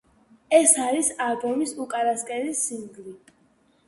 ეს არის ალბომის უკანასკნელი სინგლი.